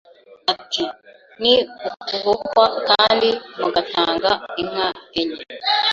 Ati Ni ukubohwa kandi mugatanga inka enye